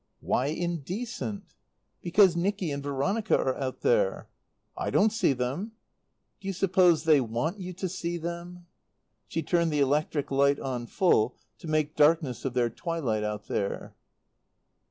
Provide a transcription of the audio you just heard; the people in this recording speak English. "Why indecent?" "Because Nicky and Veronica are out there." "I don't see them." "Do you suppose they want you to see them?" She turned the electric light on full, to make darkness of their twilight out there.